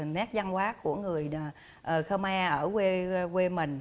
nét văn hóa của người khmer ở quê mình